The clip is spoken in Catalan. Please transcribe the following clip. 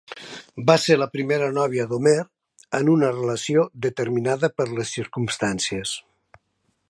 Va ser la primera novia d'Homer en una relació determinada per les circumstàncies.